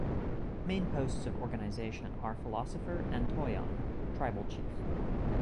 Main posts of organization are Philosopher and Toyon (Tribal chief).